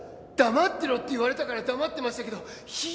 黙ってろって言われたから黙ってましたけどひどいっすよ！